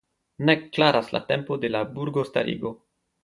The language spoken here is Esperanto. Nek klaras la tempo de la burgostarigo.